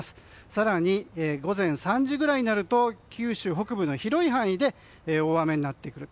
更に午前３時ぐらいになると九州北部の広い範囲で大雨になってくる。